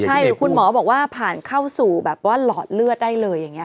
ใช่คุณหมอบอกว่าผ่านเข้าสู่แบบว่าหลอดเลือดได้เลยอย่างนี้